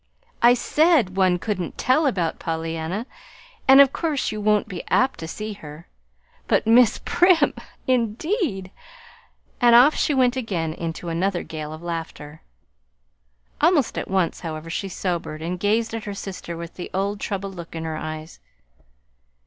I SAID one couldn't TELL about Pollyanna. And of course you won't be apt to see her. But Miss Prim, indeed!" And off she went into another gale of laughter. Almost at once, however, she sobered and gazed at her sister with the old troubled look in her eyes.